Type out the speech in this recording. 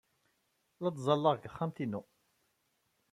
La ttẓallaɣ deg texxamt-inu.